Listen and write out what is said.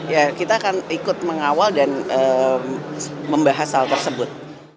ya kita akan ikut mengawal dan membahas hal tersebut